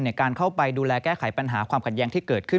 ในการเข้าไปดูแลแก้ไขปัญหาความขัดแย้งที่เกิดขึ้น